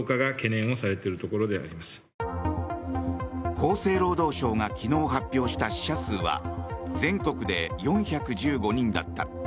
厚生労働省が昨日発表した死者数は全国で４１５人だった。